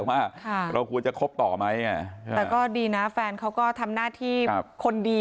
มากค่ะเราควรจะคบต่อไหมแต่ก็ดีนะแฟนเขาก็ทำหน้าที่คนดี